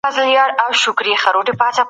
هندي ناروغان د ټولنې په منځ کې ښه فعالیت لري.